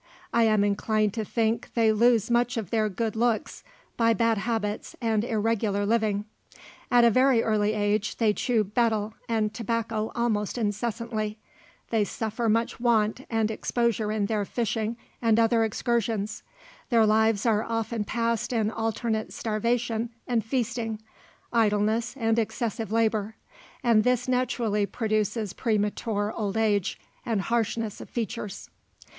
I am inclined to think they lose much of their good looks by bad habits and irregular living. At a very early age they chew betel and tobacco almost incessantly; they suffer much want and exposure in their fishing and other excursions; their lives are often passed in alternate starvation and feasting, idleness and excessive labour, and this naturally produces premature old age and harshness of features.